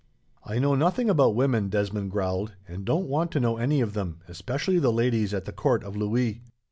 "I know nothing about women," Desmond growled, "and don't want to know any of them, especially the ladies at the court of Louis."